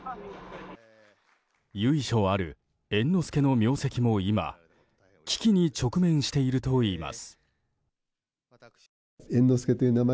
由緒ある猿之助の名跡も今危機に直面しているといいます。